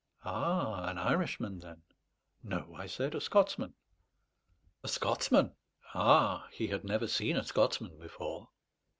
Ah, an Irishman, then? "No," I said, "a Scotsman." A Scotsman? Ah, he had never seen a Scotsman before.